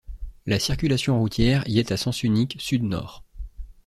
La circulation routière y est à sens unique sud-nord.